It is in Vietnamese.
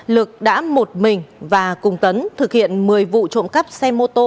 lực đã một mình và cùng tấn thực hiện một mươi vụ trộm cắp xe mô tô